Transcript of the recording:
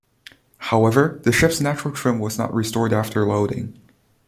However, the ship's natural trim was not restored after loading.